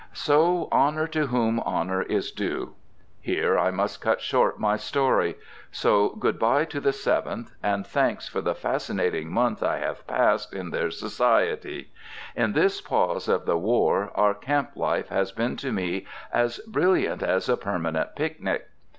So, honor to whom honor is due. Here I must cut short my story. So good bye to the Seventh, and thanks for the fascinating month I have passed in their society. In this pause of the war our camp life has been to me as brilliant as a permanent picnic.